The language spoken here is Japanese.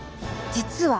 実は。